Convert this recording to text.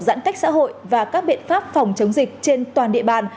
giãn cách xã hội và các biện pháp phòng chống dịch trên toàn địa bàn